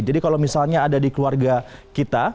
jadi kalau misalnya ada di keluarga kita